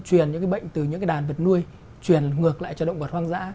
truyền những bệnh từ những đàn vật nuôi truyền ngược lại cho động vật hoang dã